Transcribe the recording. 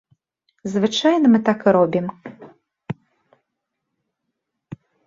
Звычайна мы так і робім.